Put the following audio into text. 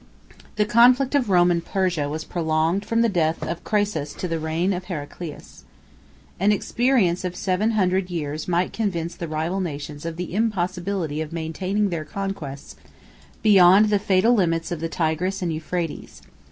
The conflict of Rome and Persia was prolonged from the death of Craesus to the reign of Heraclius. An experience of seven hundred years might convince the rival nations of the impossibility of maintaining their conquests beyond the fatal limits of the Tigris and Euphrates.